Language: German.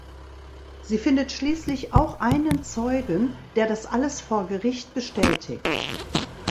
Sie findet schließlich auch einen Zeugen, der das alles vor Gericht bestätigt.